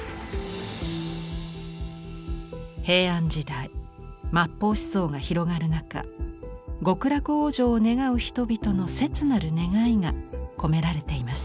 平安時代末法思想が広がる中極楽往生を願う人々の切なる願いが込められています。